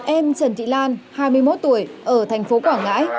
em trần thị lan hai mươi một tuổi ở thành phố quảng ngãi